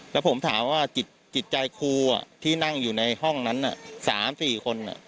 แล้วผมถามว่าจิตใจครูที่นั่งอยู่ในห้องนั้น๓๔คน